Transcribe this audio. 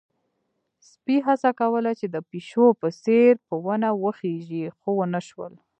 سپي هڅه کوله چې د پيشو په څېر په ونې وخيژي، خو ونه شول.